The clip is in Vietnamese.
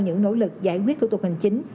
những nỗ lực giải quyết thủ tục hành chính